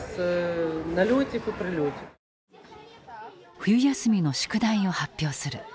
冬休みの宿題を発表する。